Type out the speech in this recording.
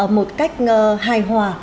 một cách hài hòa